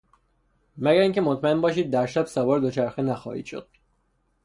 مگر اینکه مطمئن باشید در شب سوار دوچرخه نخواهید شد.